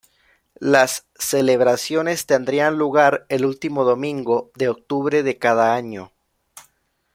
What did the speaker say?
Las celebraciones tendrían lugar el último domingo de octubre de cada año.